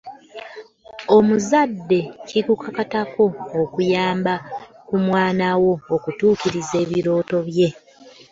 Omuzadde kikukakatako okuyamba ku mwana wo okutuukiriza ebirooto bye.